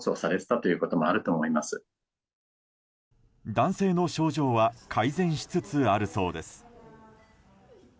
男性の症状は改善しつつあるそうです。